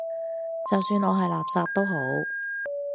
就算我係垃圾都好